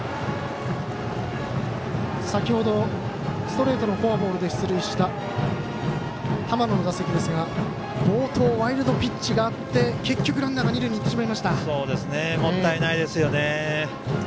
先ほどストレートのフォアボールで出塁した浜野の打席ですが、暴投ワイルドピッチがあって結局ランナーが二塁にいってしまいました。